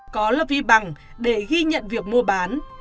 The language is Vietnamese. có lo vi bằng để ghi nhận việc mua bán